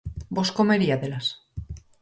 Vós comeriádelas?